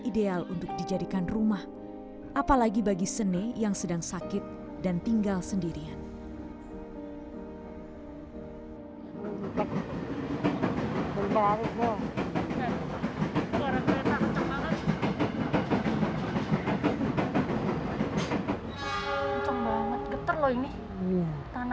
ideal untuk dijadikan rumah apalagi bagi sine yang sedang sakit dan tinggal sendirian